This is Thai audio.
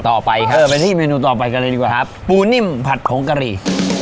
ต่อไปครับไปที่เมนูต่อไปกันเลยดีกว่าครับปูนิ่มผัดผงกะหรี่